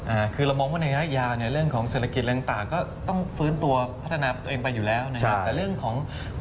อ่าคือเรามองว่าในย้ายยาวเนี่ยเรื่องของศิลคิตแล้วต่างก็ต้องฟื้นตัวพัฒนาตัวเองไว้อยู่แล้วนะครับ